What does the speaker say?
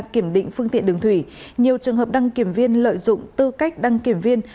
kiểm định phương tiện đường thủy nhiều trường hợp đăng kiểm viên lợi dụng tư cách đăng kiểm viên